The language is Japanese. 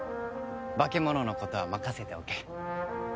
化け物のことは任せておけ。